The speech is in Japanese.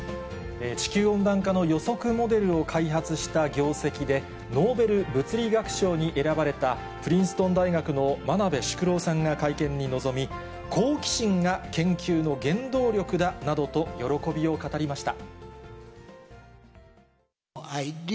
地球温暖化の予測モデルを開発した業績で、ノーベル物理学賞に選ばれた、プリンストン大学の真鍋淑郎さんが会見に臨み、好奇心が研究の原動力だなどと喜びを語りました。